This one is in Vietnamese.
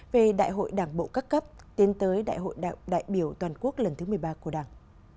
về đại hội đảng bộ các cấp tiến tới đại hội đại biểu toàn quốc lần thứ một mươi ba của đảng